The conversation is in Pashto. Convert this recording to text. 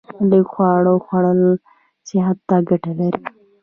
لږ خواړه خوړل صحت ته ګټه لري